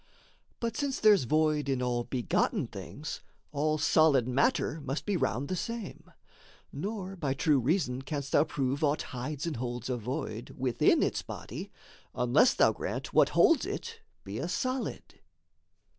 But since there's void in all begotten things, All solid matter must be round the same; Nor, by true reason canst thou prove aught hides And holds a void within its body, unless Thou grant what holds it be a solid.